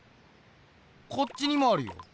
こっちにもあるよ。